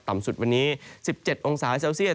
ต่ำสุดวันนี้๑๗องศาเซลเซลเซียด